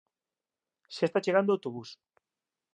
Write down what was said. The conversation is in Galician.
Xa está chegando o autobús.